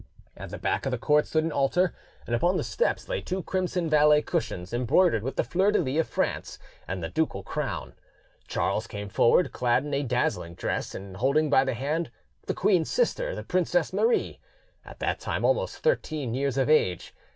At the back of the court stood an altar, and upon the steps lay two crimson velvet cushions embroidered with the fleur de lys of France and the ducal crown. Charles came forward, clad in a dazzling dress, and holding by the hand the queen's sister, the Princess Marie, at that time almost thirteen years of age.